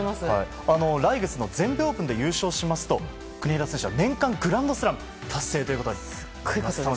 来月の全米オープンで優勝しますと国枝選手は年間グランドスラム達成ということです。